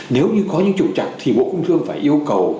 nếu như có những chủ trạng thì bộ công thương phải yêu cầu